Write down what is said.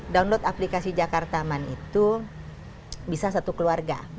download aplikasi jakarta aman itu bisa satu keluarga